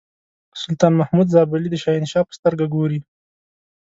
سلطان محمود زابلي د شهنشاه په سترګه ګوري.